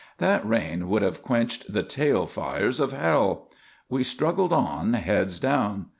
That rain would have quenched the tail fires of hell. We struggled on, heads down.